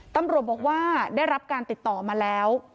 ตำรวจบอกว่าได้รับการติดต่อมาแล้ว